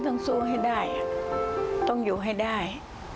ต้องสู้ให้ได้ต้องอยู่ให้ได้